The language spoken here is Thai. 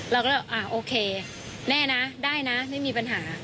เราก็เลยโอเคแน่นะได้นะไม่มีปัญหา